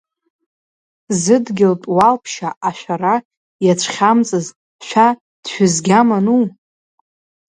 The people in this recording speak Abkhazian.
Зыдгьылтә уалԥшьа ашәара, иацәхьамҵыз, шәа дшәызгьаману?